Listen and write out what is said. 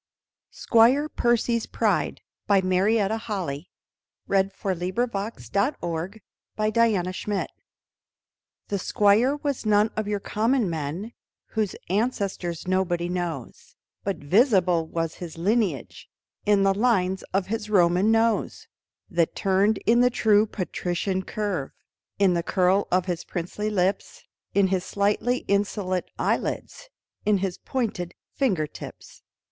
By tenderest love, our Lord's dear will; Oh, heart, be still be still! SQUIRE PERCY'S PRIDE. The Squire was none of your common men Whose ancestors nobody knows, But visible was his lineage In the lines of his Roman nose, That turned in the true patrician curve In the curl of his princely lips, In his slightly insolent eyelids, In his pointed finger tips.